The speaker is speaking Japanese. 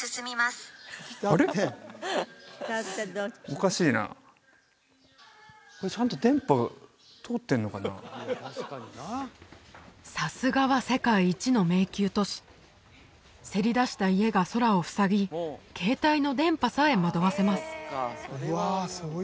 おかしいなちゃんとさすがは世界一の迷宮都市せり出した家が空を塞ぎ携帯の電波さえ惑わせます